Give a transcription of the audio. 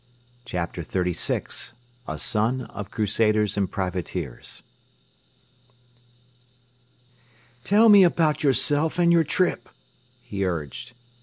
CHAPTER XXXVI A SON OF CRUSADERS AND PRIVATEERS "Tell me about yourself and your trip," he urged.